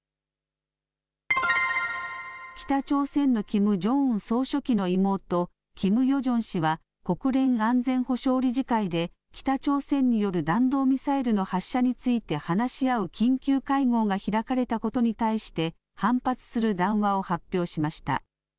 北朝鮮のキム・ジョンウン総書記の妹、キム・ヨジョン氏は、国連安全保障理事会で、北朝鮮による弾道ミサイルの発射について話し合う緊急会合が開かれたことに対して、反発する談話を発表しました。